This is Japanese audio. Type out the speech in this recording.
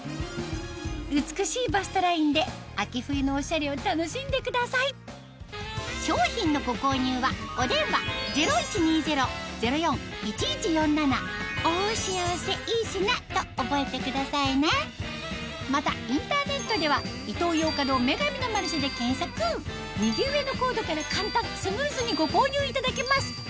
美しいバストラインで秋冬のオシャレを楽しんでください商品のご購入はお電話０１２０−０４−１１４７と覚えてくださいねまたインターネットでは右上のコードから簡単スムーズにご購入いただけます